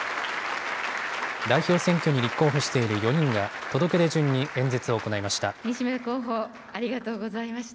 代表選挙に立候補している４人が、届け出順に演説を行いました。